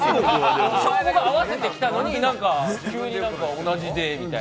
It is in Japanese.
ショーゴが合わせてきたのに、急に同じで、みたいな。